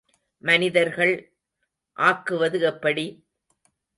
மனிதர்கள் ஆக்குவது எப்படி?